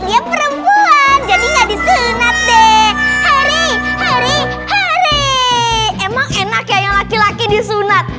yang perempuan jadi nggak disunat deh hari hari emang enak ya yang laki laki disunat